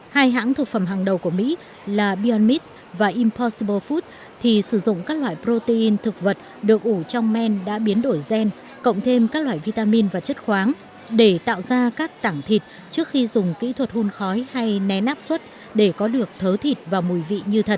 hai hãng thực phẩm hàng đầu của mỹ là bionmis và imposbo food thì sử dụng các loại protein thực vật được ủ trong men đã biến đổi gen cộng thêm các loại vitamin và chất khoáng để tạo ra các tảng thịt trước khi dùng kỹ thuật hun khói hay né áp suất để có được thớ thịt và mùi vị như thật